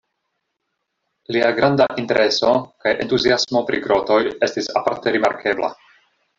Lia granda intereso kaj entuziasmo pri grotoj estis aparte rimarkebla.